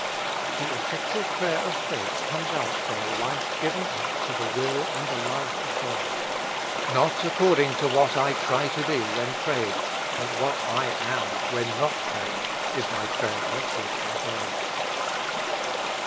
The effectual prayer of faith comes out from a life given up to the will and the love of God. Not according to what I try to be when pray 8 113 With Christ in the School of Prayer. ing, but what I am when not praying, is my prayer dealt with by God.